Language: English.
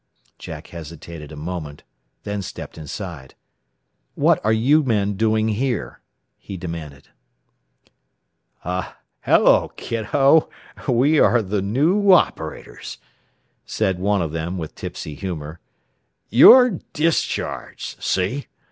Jack hesitated a moment, then stepped inside. "What are you men doing here?" he demanded. "Oh, hello, kiddo! We are the new operators," said one of them with tipsy humor. "You're discharged, see?